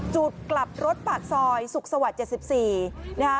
จุดกลับรถปากซอยสุขสวรรค์๗๔นะคะ